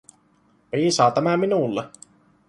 Piisaa tämä minulle.